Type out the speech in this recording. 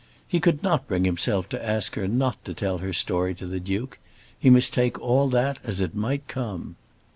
He could not bring himself to ask her not to tell her story to the Duke. He must take all that as it might come.